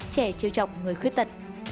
trẻ trêu trọng người khuyết tật